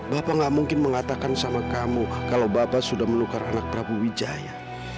bapak gak mungkin mengatakan sama kamu kalau bapak sudah menukar anak prabu wijaya